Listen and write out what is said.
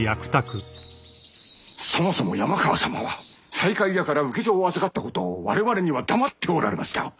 そもそも山川様は西海屋から請状を預かったことを我々には黙っておられました。